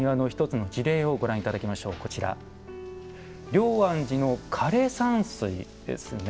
龍安寺の枯山水ですね。